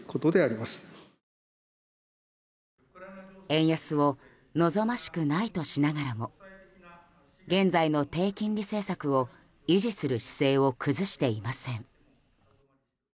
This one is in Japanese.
円安を望ましくないとしながらも現在の低金利政策を維持する姿勢を崩していません。